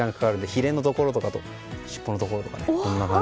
ひれのところとかしっぽのところとか。